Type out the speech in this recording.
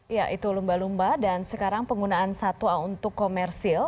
ya itu lumba lumba dan sekarang penggunaan satwa untuk komersil